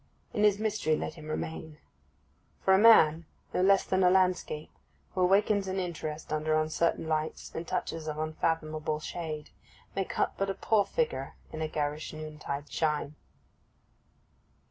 In his mystery let him remain; for a man, no less than a landscape, who awakens an interest under uncertain lights and touches of unfathomable shade, may cut but a poor figure in a garish noontide shine.